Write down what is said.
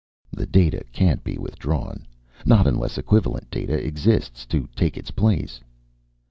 "The data can't be withdrawn! Not unless equivalent data exists to take its place."